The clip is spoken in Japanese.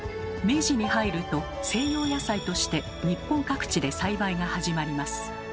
明治に入ると西洋野菜として日本各地で栽培が始まります。